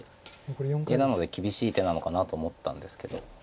なので厳しい手なのかなと思ったんですけど。